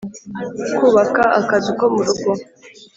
kubaka akazu ko mu rugo,